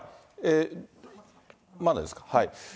まだですか。